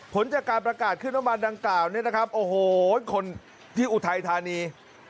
ผลจากการประกาศขึ้นน้ำมันดังกล่าวเนี่ยนะครับโอ้โหคนที่อุทัยธานี